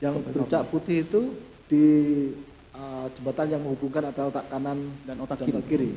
yang bercak putih itu di jembatan yang menghubungkan antara otak kanan dan otak dan tak kiri